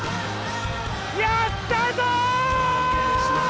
やったぞ！